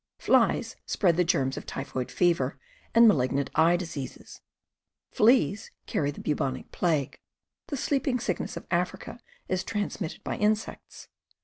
Flies spread the germs of typhoid fever and malignant eye diseases; fleas carry the bubonic plague; the sleeping sickness of Africa is transmitted by in sects.